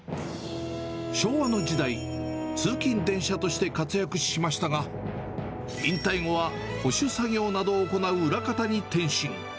昭和の時代、通勤電車として活躍しましたが、引退後は保守作業などを行う裏方に転身。